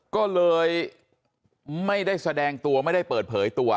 ก็เลยไม่ได้แสดงตัวไม่ได้เปิดเผยตัว